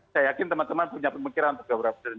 saya yakin teman teman punya pemikiran untuk beberapa